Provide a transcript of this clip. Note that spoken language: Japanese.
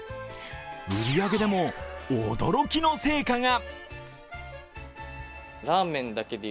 売り上げでも驚きの成果が。